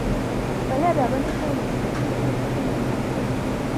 本列表根据建立日期进行排序。